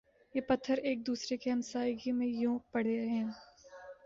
یہ پتھر ایک دوسرے کی ہمسائیگی میں یوں پڑے ہیں